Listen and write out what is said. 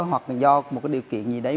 hoặc do một cái điều kiện gì đấy